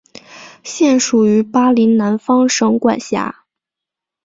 现属于巴林南方省管辖。